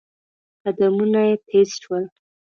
قدمونه يې تېز شول.